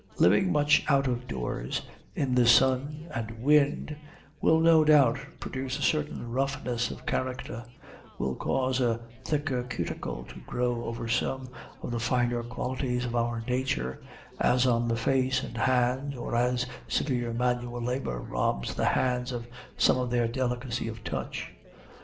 Living much out of doors, in the sun and wind, will no doubt produce a certain roughness of character, will cause a thicker cuticle to grow over some of the finer qualities of our nature, as on the face and hands, or as severe manual labor robs the hands of some of their delicacy of touch.